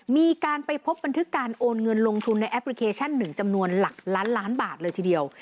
มีการไปพบบันทึกการโอนเงินลงทุนในแอปพลิเคชัน๑จำนวนหลักล้านล้านบาทเลยทีเดียว